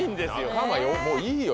仲間もういいよ